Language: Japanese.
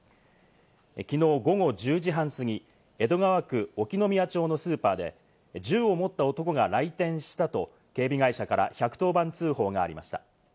きのう午後１０時半過ぎ、江戸川区興宮町のスーパーで銃を持った男が来店したと警備会社から１１０番通報がありました。